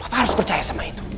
aku harus percaya sama itu